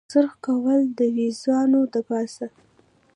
د سرخ کوتل دویرانو دپاسه